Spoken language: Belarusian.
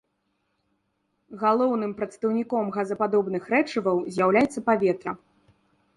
Галоўным прадстаўніком газападобных рэчываў з'яўляецца паветра.